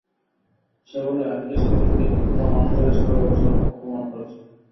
সে বললে, আমি যে স্পষ্ট দেখছি তোমরা মানুষকে ছোটো করছ, অপমান করছ।